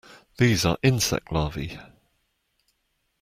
These are insect Larvae.